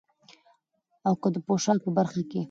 او که د پوشاک په برخه کې،